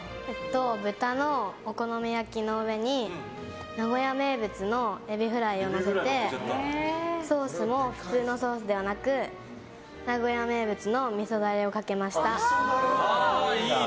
豚のお好み焼きの上に名古屋名物のエビフライをのせてソースも普通のソースではなく名古屋名物のみそダレをかけました。